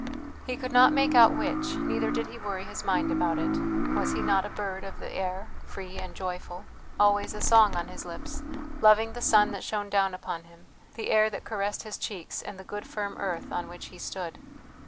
He could not make out which, neither did he worry his mind about it, was he not a bird of the air free and joyful, always a song on his lips, loving the sun that shone down upon him, the air that caressed his cheeks, and the good firm earth on which he stood?